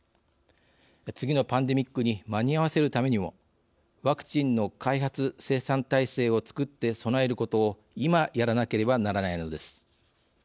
次のパンデミックに間に合わせるためにもワクチンの開発・生産体制を作って備えることを今やらなければならないのです。